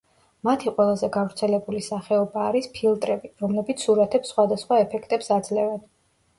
მათი ყველაზე გავრცელებული სახეობა არის ფილტრები, რომლებიც სურათებს სხვადასხვა ეფექტებს აძლევენ.